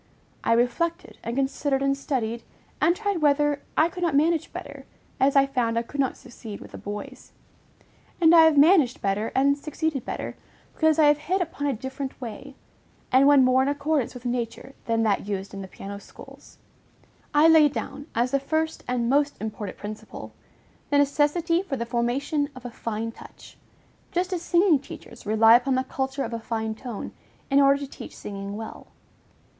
I reflected and considered and studied, and tried whether I could not manage better, as I found I could not succeed with the boys; and I have managed better and succeeded better, because I have hit upon a different way, and one more in accordance with nature than that used in the piano schools. I laid down, as the first and most important principle, the necessity for "the formation of a fine touch," just as singing teachers rely upon the culture of a fine tone, in order to teach singing well.